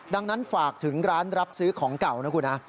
ดังนั้นฝากถึงร้านรับซื้อของเก่านะคุณฮะ